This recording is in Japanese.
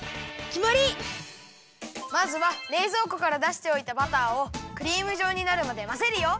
まずはれいぞうこからだしておいたバターをクリームじょうになるまでまぜるよ！